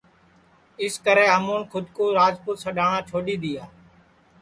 اِسکرے ہمُون کھود کُو راجپوت سڈؔاٹؔا چھوڈؔی دؔیا